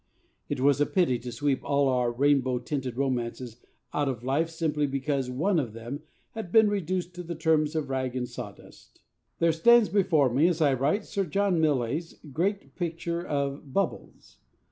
It is a pity to sweep all our rainbow tinted romances out of life simply because one of them has been reduced to the terms of rag and sawdust. There stands before me as I write Sir John Millais' great picture of 'Bubbles.'